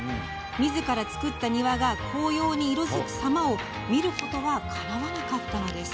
みずから造った庭が紅葉に色づく様を見ることはかなわなかったのです。